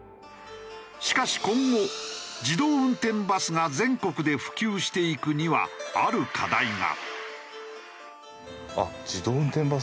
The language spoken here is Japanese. しかし今後自動運転バスが全国で普及していくにはある課題が。